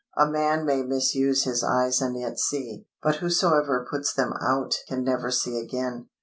A man may misuse his eyes and yet see; but whosoever puts them out can never see again.